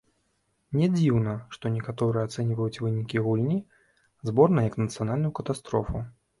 Не дзіўна, што некаторыя ацэньваюць вынікі гульні зборнай як нацыянальную катастрофу.